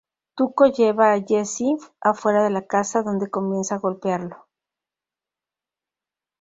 Tuco lleva a Jesse afuera de la casa, donde comienza a golpearlo.